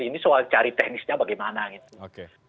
ini soal cari teknisnya bagaimana gitu